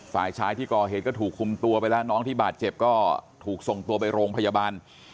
ฝ่ายชายที่ก่อเหตุก็ถูกคุมตัวไปแล้วน้องที่บาดเจ็บก็ถูกส่งตัวไปโรงพยาบาล